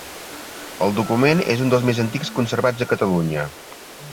El document és un dels més antics conservats a Catalunya.